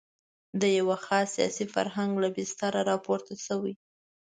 د یوه خاص سیاسي فرهنګ له بستره راپورته شوې.